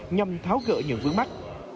nhằm tháo gỡ những vướng mắt